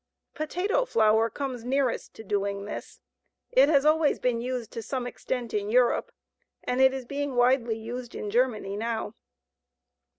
Potato flour comes nearest to doing this. It has always been used to some extent in Europe and it is being widely used in Germany now.